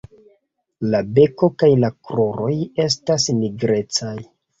La beko kaj la kruroj estas nigrecaj.